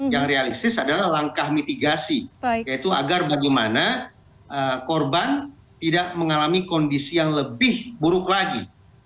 yang realistis adalah langkah mitigasi yaitu agar bagaimana korban tidak mengalami kondisi yang lebih buruk lagi